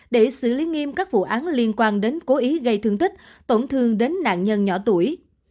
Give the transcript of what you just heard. để xử lý nghiêm các vụ án liên quan đến cố ý gây thương tích tổn thương đến nạn nhân nhỏ tuổi